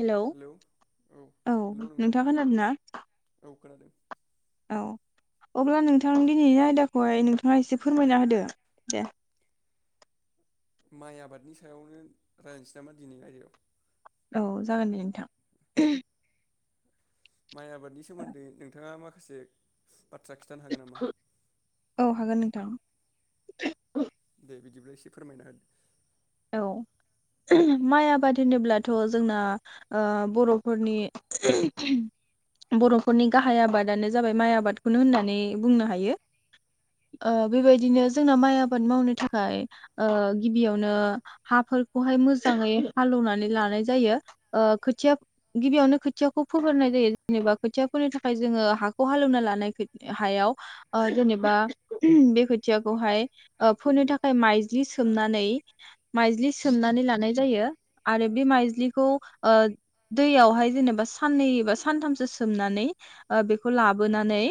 Hello औ hello नोंथां नोंथाङा खोनादों ना औ खोनादों औ अब्ला नोंथां दिनैनि आयदाखौहाय नोंथाङा एसे फोरमायना होदो दे माइ आबादनि सायावनो रायज्लायनोसै नामा दिनै आयदायाव। औ जागोन दे नोंथां। माइ आबादनि सोमोन्दै नोंथाङा मा [unintelligible] बाथ्रा खिन्थानो हागोन नामा? [unintelligible] दे बिदिब्ला एसे फोरमायना होदो। औ माइ आबाद होनोब्लाथ जोंना ओ बर'फोरनि बर'फोरनि गाहाय आबादानो जाबाय माइ आबादखौनो होननानै बुंनो हायो ओ बेबायदिनो जोंना माइ आबाद मावनो थाखाय ओ गिबियावनो हाफोरखौहाय मोजाङै हालेवनानै लानाय जायो ओ खोथिया गिबियावनो खोथियाखौ फोगोननाय जायो जेनेबा खोथिया फोनो थाखाय जोङो हाखौ हालेवना लानाय हायाव ओ जेनेबा बे खोथियाखौहाय ओ फोनो थाखाय माइज्लि सोमनानै माइज्लि सोमनानै लानाय जायो आरो बे माइज्लिखौ ओ दैयावहाय जेनेबा साननै बा सानथामसो सोमनानै ओ बेखौ लाबोनानै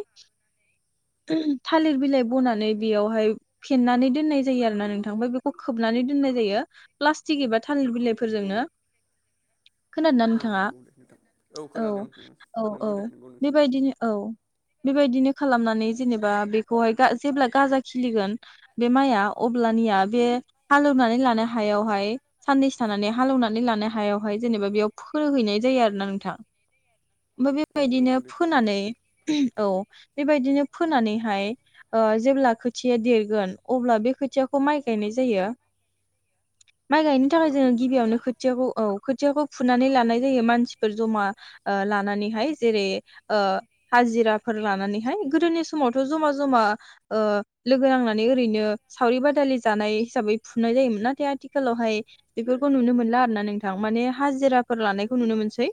थालिर बिलाइ बनानै बेयावहाय फेनानै दोननाय जायो आरो ना नोंथांफ्राय बेखौ खोबनानै दोननाय जायो प्लासटिक एबा थालिर बिलाइ फोरजोंनो। खोनादों ना औ नोंथाङा नंगौ दे नोंथां औ खोनादों उम औ औ नंगौ दे नंगौ नोंथां बेबायदिनो औ। बेबायदिनो खालामनानै जेनेबा बेखौहाय जेब्ला गाजा खिलिगोन बे माइआ अब्लानिया बे हालेवनानै ला [unintelligible] हायावहाय साननैस थानानै हालेवनानै लानो हायावहाय जेनेबा बेयाव फुखोहैनाय जायो आरोना नोंथां। ओमफाय औ बेबायदिनो नंगौ दे नंगौ फोनानै औ। बेबायदिनो फोनानैहाय ओ जेब्ला खोथिया देरगोन अब्ला बे खोथियाखौ माइ गायनाय जायो। माइ गायनो औ थाखाय जोङो नंगौ दे गिबियावनो नोंथां। खोथियाखौ औ। खोथियाखौ फुनानै लानाय जायो मानसिफोर जमा ओ लानानैहाय जेरै ओ हाजिराफोर लानानैहाय गोदोनि समावथ जमा जमा ओ लोगो नांनानै ओरैनो सावरि बादालि जानाय हिसाबै फुनाय जायो नाथाय आथिखालावहाय बेफोरखौ नुनो मोनला आरो ना नोंथां माने हाजिराफोर लानायखौ नुनो मोनसै।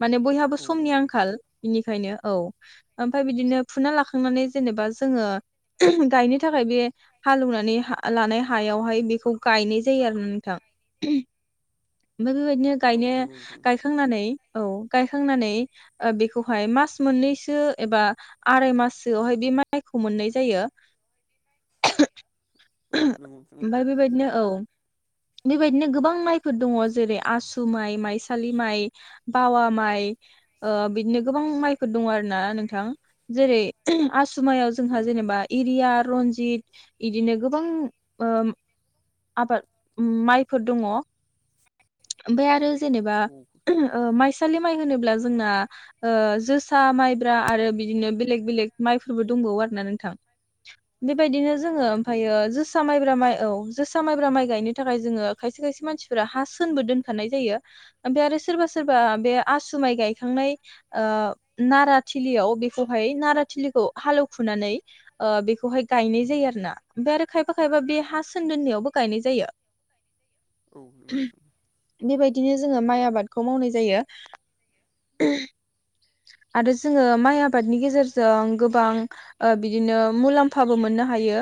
माने बयहाबो औ समनि नंगौ नोंथां औ नंगौ नोंथां आंखाल। बेनिखायनो औ ओमफ्राय बिदिनो फुना लाखांनानै जेनेबा जोङो गायनो थाखाय बे हालौवनानै लानाय हायावहाय बेखौ गायनाय जायो आरो नोंथां मो [unintelligible] बायदिनो गाय औ नंगौ नोंथां गायखांनानै औ। गायखांनानै ओ बेखौहाय मास मोननैसो एबा आराय मासोआवहाय बे माइखौ मोननाय जायो। ओमफ्राय बेबायदिनो बेबायदिनो गोबां माइफोर दङ जेरै आसु माइ माइसालि माइ बावा माइ ओ बिदिनो गोबां माइफोर दङ आरोना नोंथां जेरै आस आसुमायाव औ जोंहा जेनेबा एरिया रनजित इदिनो गोबां ओ आबाद ओम माइफोर दङ ओमफ्राय आरो जेनेबा नंगौ नोंथां ओ मायसालि माइ होनोबा जोंना ओ जोसा माइब्रा आरो बिदिनो बेलेग बेलेग माइफोरबो दंबावो आरोना नोंथां बेबादिनो जोङो औ ओमफायो नंगौ। जोसा माइब्रा माइ औ। जोसा माइब्रा माइ गायनो थाखाय जोङो खायसे खायसे मानसिफोरा हा सोनबो दोनखानाय जायो ओमफ्राय आरो सोरबा सोरबा बे आसु माइ गायखांनाय ओ नाराथिलियाव बेखौहाय नाराथिलिखौ हालेवखुनानै ओ बेखौहाय गायनाय जायो आरोना ओमफ्राय आरो खायफा खायफा बे हा सोनदोननायावबो गायनाय जायो। औ नोंगौ नोंथां। बिदिनो जोङो माइ आबादखौ मावनाय जायो आरो जोङो माइ अबादनि गेजेरजों गोबां ओ बिदिनो मुलाम्फा मोननो हायो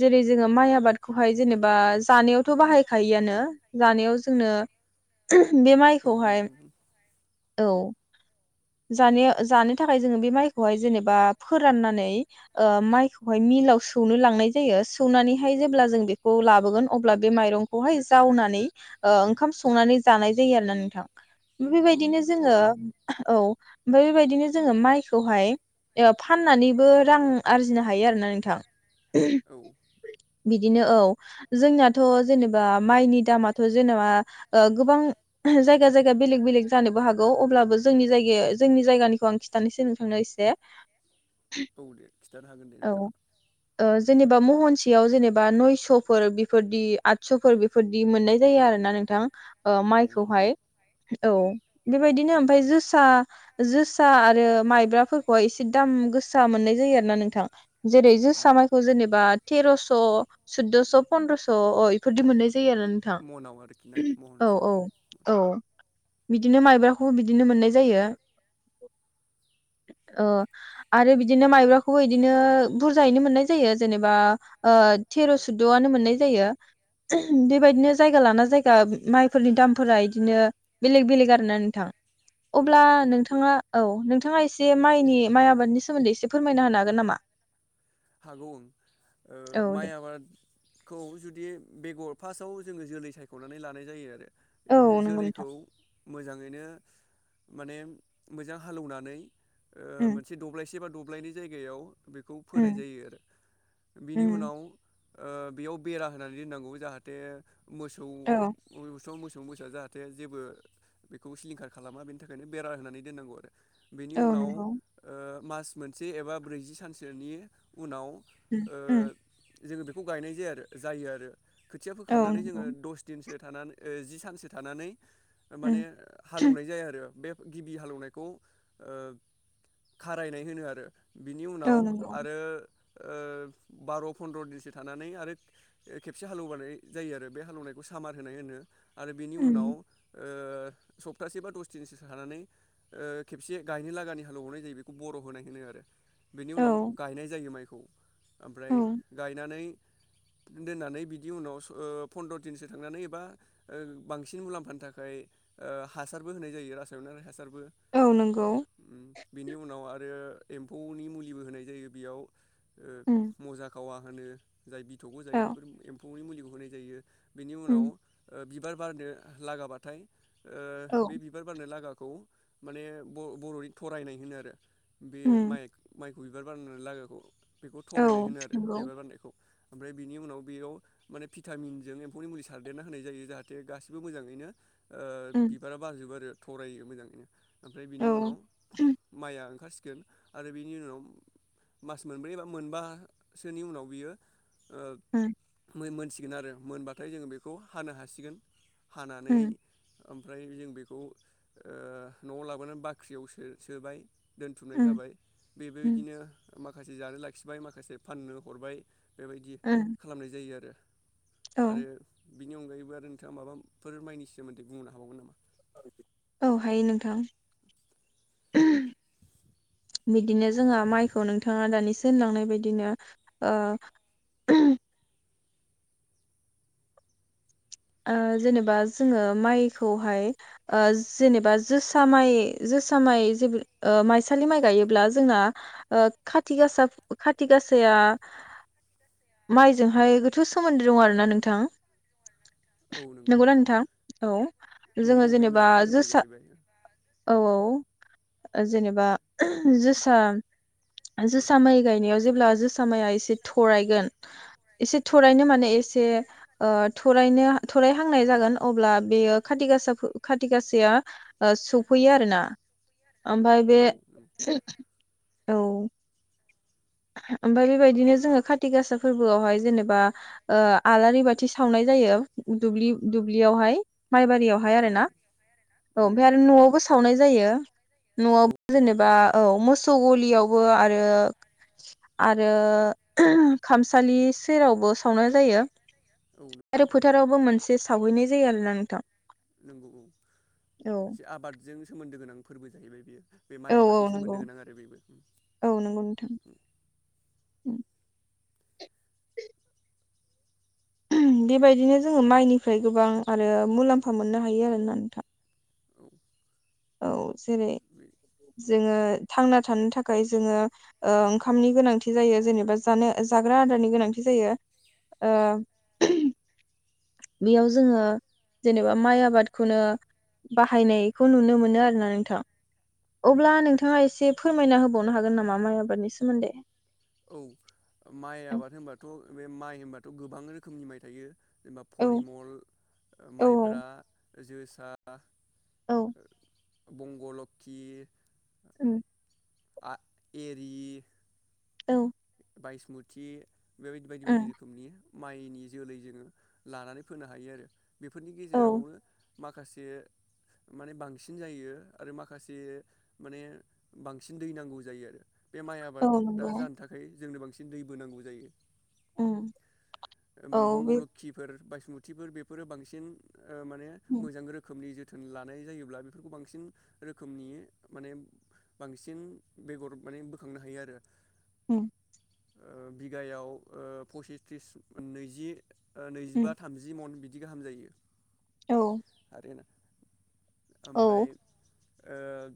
जेरै जोङो माइ आ बादखौहाय जेनेबा जानायावथ बाहायखायोआनो जानायाव जोंनो औ बेमाइखौहाय नंगौ नोंथां औ जानो जानो थाखाय जोङो बे माइखौहाय जेनेबा फोराननानै ओ माइखौहाय मिलाव सौनो लांनाय जायो सौनानै हाय जेब्ला जों बेखौ लाबोगोन अब्ला बे माइरंखौहाय जावनानै ओंखाम संनानै जानाय जायो आरोना नोंथां। औ बेबायदिनो जोङो औ ओमफ्राय बेबायदिनो जोङो माइखौहाय फाननानैबो रां आरजिनो हायो आरोना नोंथां। औ [unintelligible] बिदिनो औ जोंनाथ' जेनेबा माइनि दामाथ' जेनेबा गोबां जायगा जायगा बेलेग बेलेग जानोबो हागौ अब्लाबो जोंनि जायगायाव जोंनि जायगानिखौ आं खिन्थानोसै नों थांनो एसे। औ दे खिन्थानो हागोन दे नोंथाङा। बा महन सेआव जेनेबा नयस'फोर बेफोरदि आदस'फोर बेफोरदि मोननाय जायो आरो ना नोंथां। ओ औ नंगौ माइखौहाय। औ बेबायदिनो ओमफ्राय जोसा जोसा आरो माइब्राफोरखौहाय एसे दाम गोसा मोननाय जायो आरो ना नोंथां। जेरै औ जोसा नंगौ। मायखौ जेनेबा तेरस' सुद'स' फन्द्रस' अ इफोर मोननाय आरो नोंथां मनाव आरोखि ना औ महनसेयाव औ औ। बिदिनो माइब्राखौबो बिदिनो मोननाय जायो ओ आरो बिदिनो माइब्राखौबो बिदिनो बुरजायैनो मोननाय जायो जेनेबा ओ थेर' सुद'आनो मोननाय जायो बेबायदिनो जायगा लाना जायगा माइफोरनि दामफोरा इदिनो बेलेग बेलेग आरोना नोंथां। औ। अब्ला नोंथाङा औ नोंथां नोंथाङा एसे माइनि माइ आबादनि सोमोन्दै एसे फोरमायना होनो हागोन नामा? हागौ। औ दे माइ आबाद खौ जुदि बेगर फास्स्टआव जोङो जोलै सायख'नानै लानाय जायो आरो। औ नंगौ नोंथां जोलैखौ मोजाङैनो माने मोजां हालेवनानै उम मोनसे दब्लायसे बा दब्लायनि नि जायगायाव बे फोनाय उम जायो आरो बिनि उम उनाव ओ बेयाव बेरा होनानै दोननांगौ जाहाथे औ मोसौ मोसौ जाहाथे जेबो बेखौ सिलिंखार खालामा बेनि थाखायनो बेरा होनानै दोननांगौ आरो। बेनि औ उनाव ओ नंगौ मास मोनसे एबा ब्रैजि सानसोनि उनाव उ ओ उ जोङो बेखौ गायनाय जाया आरो जायो आरो। खोथिया औ फोखांनानै नंगौ जोङो दस दिनसो थानानै ओ जि सानसो थानानै माने उम हालेवनाय जाया आरो बे गिबि हालेवनायखौ ओ खारायनाय होनो आरो बिनि औ उनाव नंगौ ओ ओ बार' फनन्द्र' दिनसो थानानै आरो खेबसे हालेवबनाय जायो आरो बे हालेवनायखौ सामार होनाय होनो आरो बिनि उनाव उम ओ सफथासे बा दसथिनसो सानानै ओ खेबसे गायनो लागानि हालेवहरनाय जायो बेखौ बर' होनाय होनो आरो बेनि औ गायनाय जायो माइ खौ ओमफ्राय औ गायनानै दोननानै बिनि उनाव ओ फन्द्र दिनसो थांनानै एबा बांसिन मुलाम्फानि थाखाय ओ हासारबो होनाय जायो रासायनारि हासारबो औ नंगौ बेनि उनाव आरो एम्फौनि मुलिबो होनाय दै बेयाव ओ उम मजा खवा फानो जाय बिथौबो औ जायो बेफोर [unintelligible] मुलिखौ होनाय जायो बिनि उनाव उम ओ बिबार बारनो लागाबाथाय ओ औ बे बिबार बारनाय लागा खौ माने बर' बर'नि थरायनाय होनो आरो बे उम माइक माइक बिबार बारनानै लागाखौ बेखौ औ थरायनाय होनो आरो नंगौ बिबार बारनायखौ ओमफ्राय बिनि उनाव बेयाव माने भिटामिनजों एम्फौनि मुलि सारदेरना होनाय जायो जाहाथे गासिबो मोजाङैनो ओ उम बिबारा बाराजोबो [unintelligible] थरायो मोजाङैनो ओमफ्राय औ बिनि उनाव उम माइआ गोन आरो बिनि उनाव मास मोनब्रै एबा मोनबासोनि उनाव बियो ओ उम मोन सिगोन आरो मोनबाथाय जोङो बेखौ हानो हासिगोन हानानै उम ओमफ्राय जों बेखौ ओ न'आव लाबोनानै बाख्रियाव सो सोबाय। दोनथुमनाय जाबाय बेबो उम नो माखासे जानो लाखिबाय माखासे फाननो हरबाय बेबायदि उम खालामनाय जायो आरो औ आरो बिनि अनगायैबो आरो नोंथाङा माबाफोर मायनि सोमोन्दै बुंनो हाबावगोन नामा औ हायो नोंथां [inaudible] बिदिनो जोंहा माइखौ नोंथाङा दानिसो दोनलांनाय बायदिनो ओ जेनेबा जोङो माइखौहाय ओ जेनेबा जोसा माइ जोसा माइ जे माइसालि माइ गायोब्ला जोंना ओ खाथि गासा खाथि गाासाया माइजोंहाय गोथौ सोमोन्दो दं आरोना नोंथां। औ नंगौ नोंगौना नोंथां औ जोङो नंगौ बे जेनेबा मोनसे फोरबो जोसा जाहैबाय औ औ ओ जेनेबा जोसा-जोसा माइ गायनायाव जेब्ला जोसा माइया एसे थरायगोन एसे थरायनो माने एसे ओ थरायनो थरायहांनाय जागोन अब्ला बेयो खाथि गासा खाथि गासाया सौफैयो आरो ना ओमफ्राय औ बे नंगौ औ ओमफ्राय बेबायदिनो जोङो खाथि गासा फोरबोआवहाय जेनेबा ओ आलारि बाथि सावनाय जायो दुब्लि दुब्लियावहाय माइ बेयावहाय आरो औ ना औ ओमफ्राय आरो नंगौ न'आवबो सावनाय जायो औ न'आवबो जेनेबा नंगौ औ मोसौ गलियावबो आरो आरो खामसालि सेरावबो सावनाय जायो औ नंगौ आरो फोथारावबो मोनसे सावहैनाय जायो आरो ना नोंथां नंगौ औ औ मोनसे आबादजों सोमोन्दो गोनां फोरबो जाहैबाय बियो बे माइ औ औ आबादजों नंगौ सोमोन्दो गोनां आरो बेबो अम अम बेबायदिनो जोङो माइनिफ्राय गोबां आरो मुलाम्फा मोननो हायो आरोना नोंथां औ औ जेरै बे जोङो थांना थानो थाखाय जोङो ओ ओंखामनि गोनांथि जायो जेनेबा जानो जाग्रा आदारनि गोनांथि जायो ओ बेयाव जोङो जेनेबा माइ आबादखौनो बाहायनायखौ नुनो मोनो आरोना नोंथां अब्ला नोंथाङा एसे फोरमायना होबावनो हागोन नामा माइ आबादनि सोमोन्दै औ माइ औ आबाद होनबाथ' बे माइ होनबा थ गोबां रोखोमनि माइ गायो जेनबा फरिमल ओ औ मायब्रा जोसा औ बंग'लोखि उम एरि औ बायसमुथि बेबायदि बायदि बायदि उम रोखोमनि माइनि जोलै जोङो लानानै फोनो हायो आरो बेफोरनि औ गेजेरावनो माखासे माने बांसिन जायो आरो माखासे माने बांसिन दै नांगौ जायो आरो बे माइ आबाद औ दा नंगौ जानो थाखाय जोंनो बांसिन दैबो नांगौ जायो उम औ बे बंग'लोखिफोर बा इस्मुथिफोर बेफोरो बांसिन ओ माने उम मोजां रोखोमनि जों जोथोन लानाय जायोब्ला बेफोरखौ बांसिन रोखोमनि माने बांसिन बेगर माने बोखांनो हायो आरो उम बिगायाव पसिस थ्रिस नैजि उम नैजिबा थामजि मन बि दि गाहाम जायो औ। [inaudible] ओमफ्राय औ ओ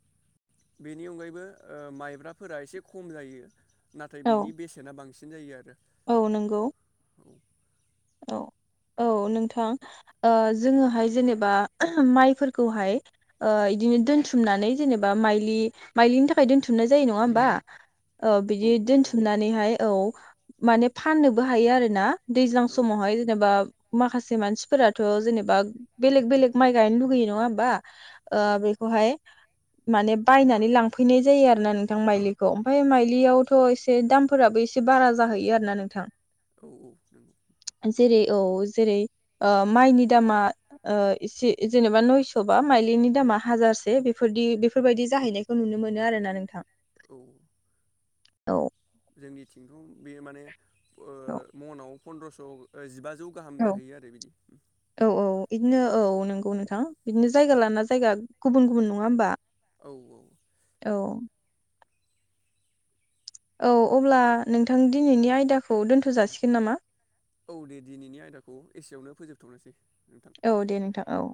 बेनि अनगायैबो ओ माइब्राफोरा एसे खम जायो नाथाय औ बिनि बेसेना बांसिन बिदिनो जायो आरो औ नंगौ। औ औ नोंथां जोङोहाय जेनेबा माइफोरखौहाय इदिनो दोनथुमनानै जेनेबा माइलि माइलिनि थाखाय दोन्थुमनाय जायो नङा होमबा? औ बिदि दोनथुमनानैहाय औ माने फाननोबो हायो आरोना दैज्लां औ समावहाय जेनेबा माखासे मानसिफोराथ' जेनेबा बेलेग बेलेग माइ गायनो लुगैयो नङा होमबा? ओ बेखौहाय माने बायनानै लांफैनाय जायो आरो ना नोंथां माइलिखौ ओमफाय माइलियावथ' एसे दामफोराबो एसे बारा जाहैयो आर ना नोंथां। औ औ नंगौ। जेरै औ जेरै माइनि दामा एसे जेनेबा नयस' बा माइलिनि दामा हाजारसे बेफोरदि बेफोरबायाददि जाहैनायखौ नुनो मोनो आर ना नोंथां। औ। औ जोंनि थिंथ' बे माने औ मनाव फन्द्रस जिबा जौ गाहाम जाहैयो आरो बिदि। इदनो औ नंगौ नोंथां। थां बिदिनो जायगा लाना जायगा गुबुन गुबुन नंङा होमबा? औ औ औ औ अब्ला नोंथां दिनैनि आयदाखौ दोनथ' जाासिगोन नामा? औ दे दिनैनि आयदाखौ एसेयावनो फोजोबथ'नोसै नोंथां औ दे नोंथां औ